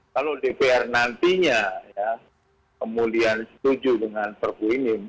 kalau dpr nantinya kemudian setuju dengan perbu ini